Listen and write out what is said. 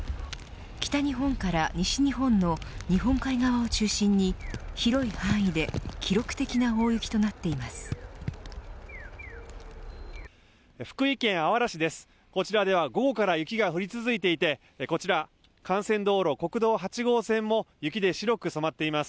北日本から西日本の日本海側を中心に広い範囲で記録的な大雪となっています。